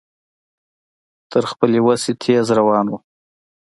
تر خپلې وسې تېز روان و.